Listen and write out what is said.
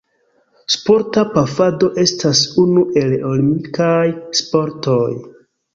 Sporta pafado estas unu el olimpikaj sportoj.